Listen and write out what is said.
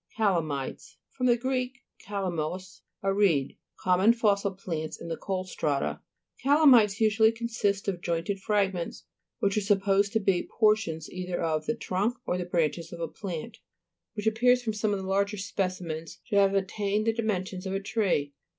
CALA'MITES fr. gr. kalamos, a reed. Common fossil plants in the coal strata. Cala'mites usually consist of jointed fragments which are sup posed to be portions either of the trunk, or branches of a plant, which appears from some of the larger GLOSSARY. GEOLOGY. 215 specimens, to have attained the dimensions of a tree.